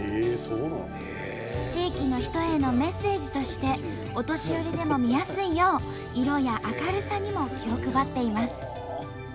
地域の人へのメッセージとしてお年寄りでも見やすいよう色や明るさにも気を配っています。